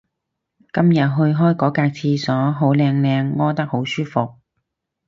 今日去開嗰格廁所好靚靚屙得好舒服